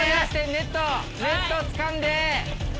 ネットつかんで。